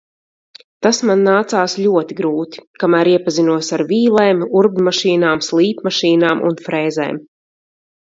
Tas man nācās ļoti grūti, kamēr iepazinos ar vīlēm, urbjmašīnām, slīpmašīnām un frēzēm.